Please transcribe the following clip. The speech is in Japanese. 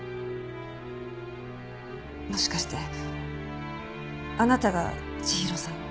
もしかしてあなたが千尋さんを。